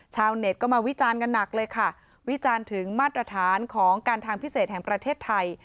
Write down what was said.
ชาวเน็ตก็มาวิจารณ์กันหนักเลยค่ะวิจารณ์ถึงมาตรฐานของการทางพิเศษแห่งประเทศไทย